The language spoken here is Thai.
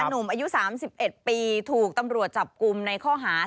หนุ่มอายุ๓๑ปีถูกตำรวจจับกลุ่มในข้อหา